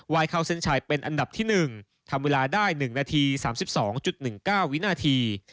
ยเข้าเส้นชัยเป็นอันดับที่๑ทำเวลาได้๑นาที๓๒๑๙วินาที